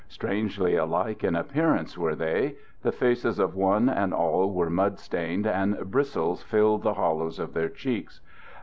Strangely alike in appearance were they. The faces of one and all were mud stained and bristles filled the hol lows of their cheeks.